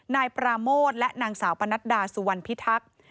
นายปราโมทและนางสาวปนัดดาสุวรรณพิทักษ์